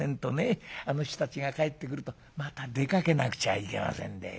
あの人たちが帰ってくるとまた出かけなくちゃいけませんで。